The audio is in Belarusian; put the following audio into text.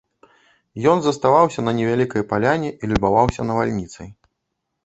Ён заставаўся на невялікай паляне і любаваўся навальніцай.